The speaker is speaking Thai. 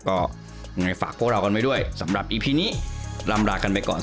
ก็ยังไงฝากพวกเรากันไว้ด้วยสำหรับอีพีนี้ลำลากันไปก่อน